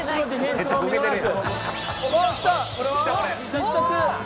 必殺！